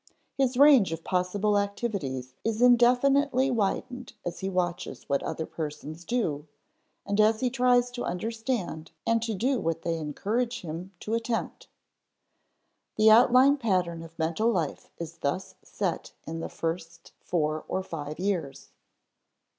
His range of possible activities is indefinitely widened as he watches what other persons do, and as he tries to understand and to do what they encourage him to attempt. The outline pattern of mental life is thus set in the first four or five years.